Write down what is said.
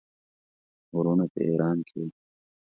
وروڼه په ایران کې وه.